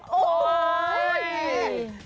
โอ้โหอุ้ย